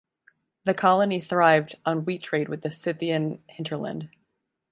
The colony thrived on wheat trade with the Scythian hinterland.